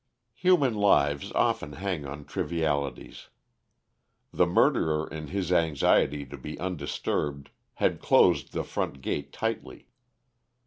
Human lives often hang on trivialities. The murderer in his anxiety to be undisturbed had closed the front gate tightly.